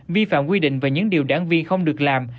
vi phạm quy định về những điều đảng viên không được làm